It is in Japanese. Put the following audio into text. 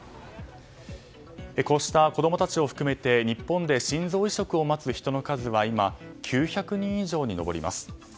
こうした子供たちを含めて日本で心臓移植を待つ人の数は今、９００人以上に上ります。